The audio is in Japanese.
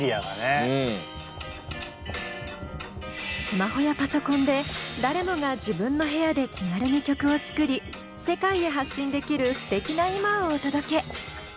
スマホやパソコンで誰もが自分の部屋で気軽に曲を作り世界へ発信できるすてきな今をお届け！